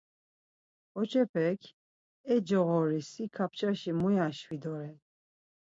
Ǩoçepek, E coğori si kapçaşi muya şvi doren.